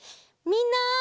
みんな！